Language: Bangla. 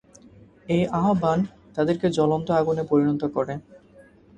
এই আহ্বান তাদেরকে জ্বলন্ত আগুনে পরিণত করে।